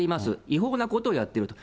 違法なことをやっていると。